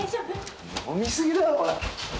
飲みすぎだよおい。